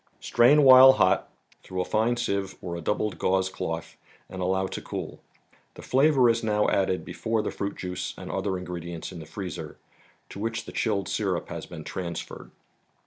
Strain while hot, through a fine sieve or a doubled gauze cloth and allow to cool. The flavor is now added before the fruit juice and other ingredients in the freezer, to which the chilled syrup has been transferred.